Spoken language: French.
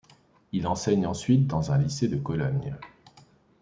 Il enseigne ensuite dans un lycée de Cologne.